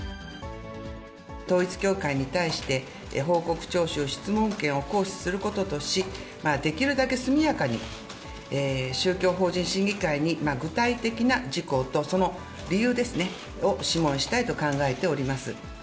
統一教会に対して、報告徴収・質問権を行使することとし、できるだけ速やかに宗教法人審議会に、具体的な事項と、その理由ですね、を諮問したいと考えております。